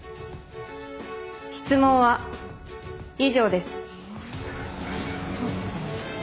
質問は以上です。